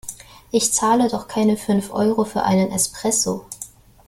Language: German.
Ich zahle doch keine fünf Euro für einen Espresso!